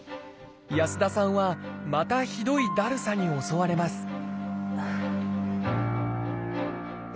安田さんはまたひどいだるさに襲われます